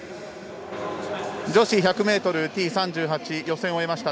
女子１００ｍＴ３８予選を終えました